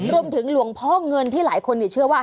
รวมถึงหลวงพ่อเงินที่หลายคนเชื่อว่า